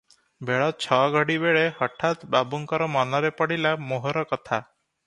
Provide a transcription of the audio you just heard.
ବେଳ ଛ ଘଡ଼ି ବେଳେ ହଠାତ୍ ବାବୁଙ୍କର ମନରେ ପଡ଼ିଲା ମୋହର କଥା ।